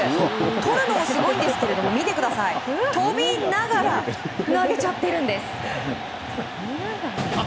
とるのもすごいんですけれども飛びながら投げちゃってるんです！